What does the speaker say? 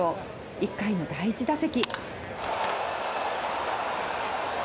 １回の第１打席。